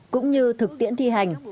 cũng như thực tiễn thi hành